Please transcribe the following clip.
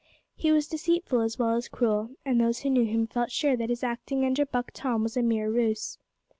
He was deceitful as well as cruel, and those who knew him best felt sure that his acting under Buck Tom was a mere ruse.